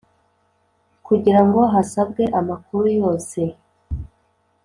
kugira ngo hasabwe amakuru yose